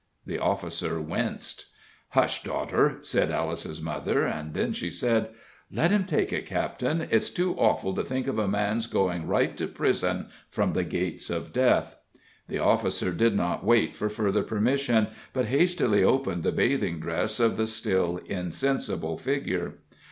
The officer winced. "Hush, daughter," said Alice's mother; then she said: "Let him take it, captain; it's too awful to think of a man's going right to prison from the gates of death." The officer did not wait for further permission, but hastily opened the bathing dress of the still insensible figure.